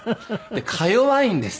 でか弱いんですよ。